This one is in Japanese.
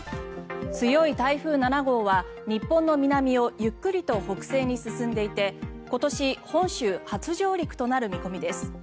強い台風７号は日本の南をゆっくりと北西に進んでいて今年、本州初上陸となる見込みです。